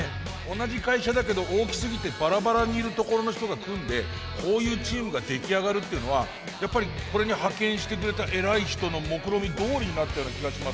同じ会社だけど大きすぎてバラバラにいるところの人が組んでこういうチームが出来上がるっていうのはやっぱりこれに派遣してくれた偉い人のもくろみどおりになったような気がします。